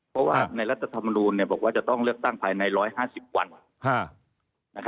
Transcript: เพราะว่าในรัฐธรรมนูลบอกว่าจะต้องเลือกตั้งภายใน๑๕๐วัน